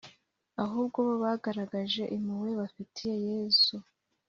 ahubwo bo bagaragaje impuhwe bafitiye yesu